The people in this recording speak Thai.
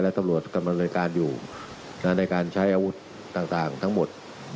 ตำรวจกำลังในการอยู่ในการใช้อาวุธต่างทั้งหมด